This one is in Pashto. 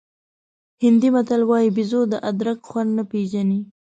هندي متل وایي بېزو د ادرک خوند نه پېژني.